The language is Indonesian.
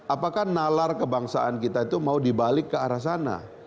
apakah nalar kebangsaan kita itu mau dibalik ke arah sana